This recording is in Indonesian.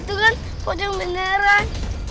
itu kan pojok beneran